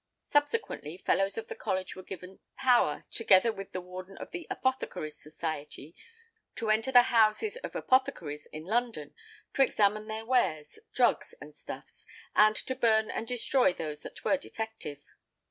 Subsequently Fellows of the college were given power, together with the warden of the Apothecaries' Society, to enter the houses of apothecaries in London, to examine their wares, drugs and stuffs, and to burn and destroy those that were defective.